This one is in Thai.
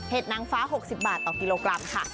นางฟ้า๖๐บาทต่อกิโลกรัมค่ะ